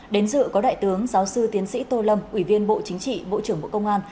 đến dự có đại tướng giáo sư tiến sĩ tô lâm ủy viên bộ chính trị bộ trưởng bộ công an